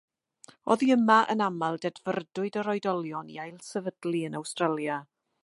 Oddi yma, yn aml, dedfrydwyd yr oedolion i ailsefydlu yn Awstralia.